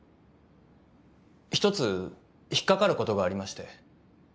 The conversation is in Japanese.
一つ引っ掛かることがありまして。